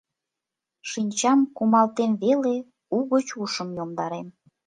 Шинчам кумалтем веле, угыч ушым йомдарем.